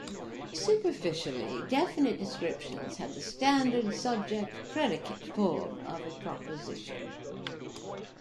Superficially, definite descriptions have the standard subject-predicate form of a proposition.